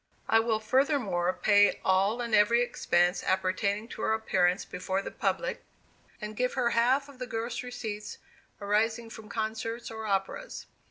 I will furthermore pay all and every expense appertaining to her appearance before the public, and give her half of the gross receipts arising from concerts or operas.